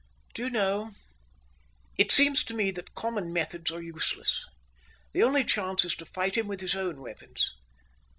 "Do you know, it seems to me that common methods are useless. The only chance is to fight him with his own weapons.